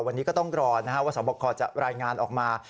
วันนี้ก็ต้องรอนะครับว่าสมบัครจะรายงานออกมา